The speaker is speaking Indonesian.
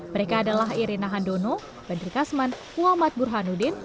mereka adalah irina handono badri kasman muhammad burhanuddin